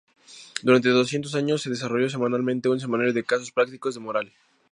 Durante doscientos años se desarrolló semanalmente un Seminario de Casos Prácticos de Moral.